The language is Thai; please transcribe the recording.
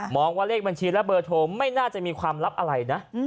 บอกว่าเลขบัญชีและเบอร์โทรไม่น่าจะมีความลับอะไรนะ